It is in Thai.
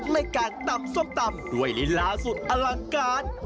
ในการตำส้มตำด้วยลีลาสุดอลังการ